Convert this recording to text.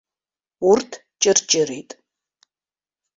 Урҭ ҷырҷырит.